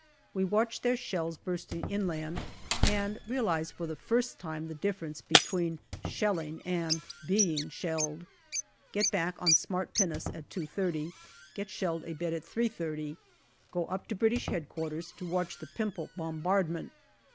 We watch their shells bursting inland, and realize for the first time the difference between shelling and being shelled. Get back on smart pinnace at 2.30. Get shelled a bit at 3.30. Go up to British H.Q. to watch the Pimple bombardment.